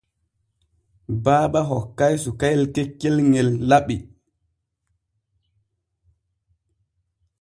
Baaba hokkay sukayel keccel ŋel laɓi.